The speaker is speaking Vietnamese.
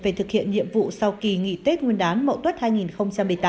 việc phát triển chúng ta có một kỷ niệm phát triển tốt